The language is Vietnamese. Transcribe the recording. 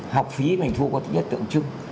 học phí mình thu có thứ nhất tượng trưng